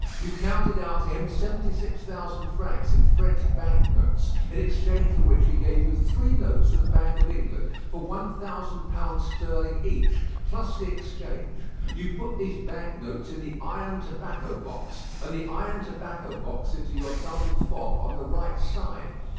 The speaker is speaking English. You counted out to him seventy six thousand francs in French bank notes; in exchange for which he gave you three notes of the Bank of England for one thousand pounds sterling each, plus the exchange. You put these bank notes in the iron tobacco box, and the iron tobacco box into your double fob on the right hand side.